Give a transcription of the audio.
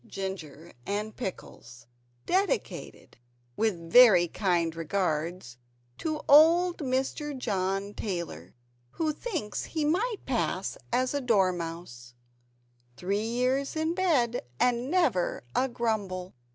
GINGER AND PICKLES [Dedicated With very kind regards to old Mr. John Taylor, Who "thinks he might pass as a dormouse," (Three years in bed and never a grumble!).